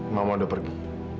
mama udah pergi